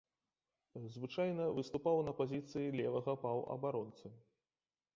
Звычайна выступаў на пазіцыі левага паўабаронцы.